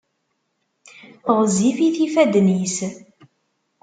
Ɣezzifit yifadden-is.